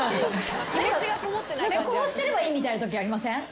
こうしてればいいみたいなときありません？